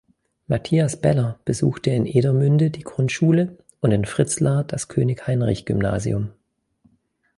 Matthias Beller besuchte in Edermünde die Grundschule und in Fritzlar das König-Heinrich-Gymnasium.